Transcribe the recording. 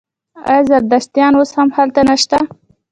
آیا زردشتیان اوس هم هلته نشته؟